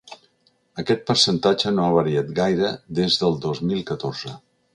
Aquest percentatge no ha variat gaire des del dos mil catorze.